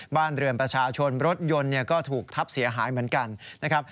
บ้านเรือนประชาชนรถยนต์ก็ถูกทับเสียหายเหมือนกันนะครับ